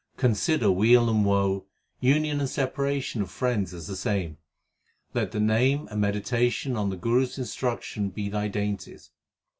Consider weal and woe, union and separation of friends as the same. Let the Name and meditation on the Guru s instruction be thy dainties.